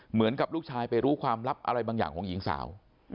เหมือนกับลูกชายไปรู้ความลับอะไรบางอย่างของหญิงสาว